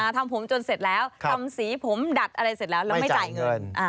ทำผมจนเสร็จแล้วทำสีผมดัดอะไรเสร็จแล้วแล้วไม่จ่ายเงิน